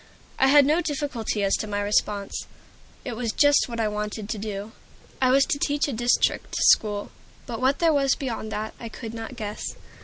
I had no difficulty as to my response. It was just what I wanted to do. I was to teach a district school; but what there was beyond that, I could not guess.